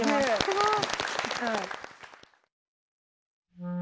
すごい。